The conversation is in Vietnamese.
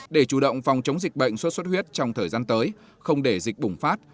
để chủ động phòng chống dịch bệnh suốt suốt huyết trong thời gian tới không để dịch bùng phát